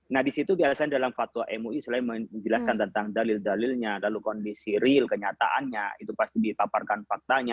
nah disitu biasanya dalam fatwa mui selain menjelaskan tentang dalil dalilnya lalu kondisi real kenyataannya itu pasti ditaparkan faktanya